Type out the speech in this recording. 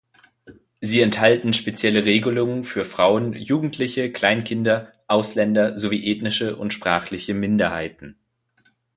Sie enthalten spezielle Regelungen für Frauen, Jugendliche, Kleinkinder, Ausländer, sowie ethnische und sprachliche Minderheiten.